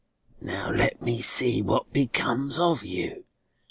"Now let me see what becomes of you.